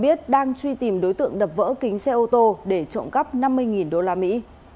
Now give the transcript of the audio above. bùi thị thuyết đang truy tìm đối tượng đập vỡ kính xe ô tô để trộn cắp năm mươi đô la mỹ